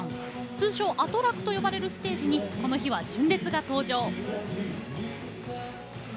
通称・アトラクと呼ばれるステージに、この日は純烈が登場。